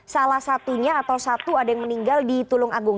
salah satunya atau satu ada yang meninggal di tulung agung